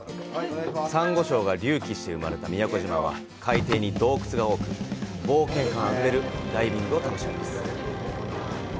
サンゴ礁が隆起して生まれた宮古島は海底に洞窟が多く、冒険感あふれるダイビングを楽しめます。